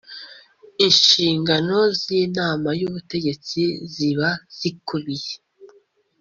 inshingano z inama y ubutegetsi ziba zikubiye